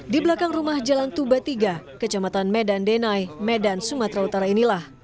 di belakang rumah jalan tuba tiga kecamatan medan denai medan sumatera utara inilah